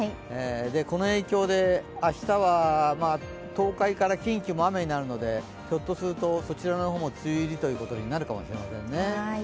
この影響で明日は東海から近畿も雨になるのでひょっとすると、そちらの方も梅雨入りということになるかもしれませんね。